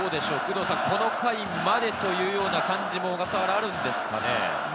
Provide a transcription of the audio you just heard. この回までというような感じも小笠原、あるんですかね。